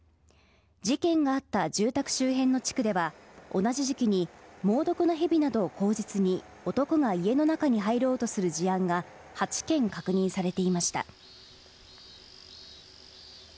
事件があった住宅周辺の地区では同じ時期に猛毒の蛇などを口実に男が家の中に入ろうとする事案が８件確認されていました。